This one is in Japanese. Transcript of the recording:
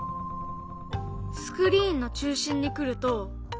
スクリーンの中心に来ると。